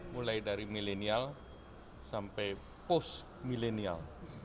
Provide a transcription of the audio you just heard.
mulai dari milenial sampai pos milenial